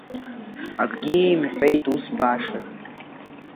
Акгьы имҳәеит, ус баша…